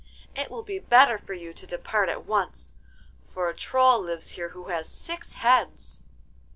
It will be better for you to depart at once, for a Troll lives here who has six heads.